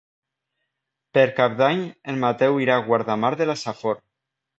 Per Cap d'Any en Mateu irà a Guardamar de la Safor.